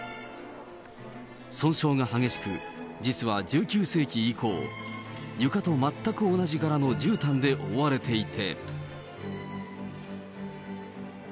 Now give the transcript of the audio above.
損傷が激しく、実は１９世紀以降、床と全く同じ柄のじゅうたんで覆われていて。